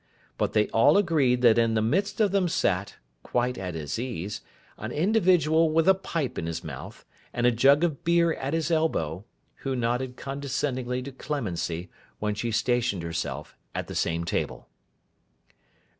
But they all agreed that in the midst of them sat, quite at his ease, an individual with a pipe in his mouth, and a jug of beer at his elbow, who nodded condescendingly to Clemency, when she stationed herself at the same table.